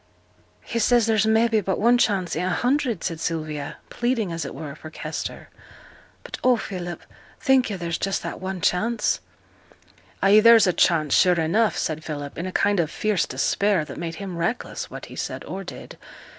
'He says there's mebbe but one chance i' a hundred,' said Sylvia, pleading, as it were, for Kester; 'but oh! Philip, think yo' there's just that one chance?' 'Ay, there's a chance, sure enough,' said Philip, in a kind of fierce despair that made him reckless what he said or did.